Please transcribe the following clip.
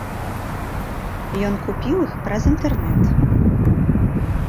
Ён купіў іх праз інтэрнэт.